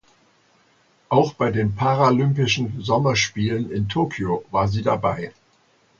Auch bei den Paralympischen Sommerspielen in Tokio war sie dabei.